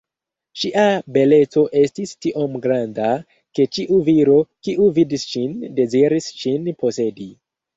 Ŝia beleco estis tiom granda, ke ĉiu viro, kiu vidis ŝin, deziris ŝin posedi.